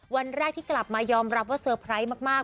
วันแรกที่กลับมายอมรับว่าเซอร์ไพรส์มาก